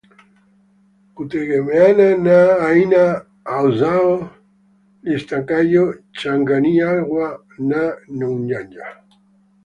kutegemeana na aina au zao litakalo changanywa na nyanya.